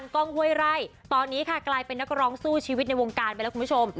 ตอนนี้กลายเป็นนักร้องสู้ชีวิตในวงการไปแล้วคุณผู้ชม